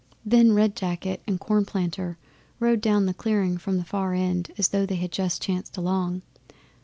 Then Red Jacket and Cornplanter rode down the clearing from the far end as though they had just chanced along.